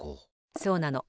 そうなの。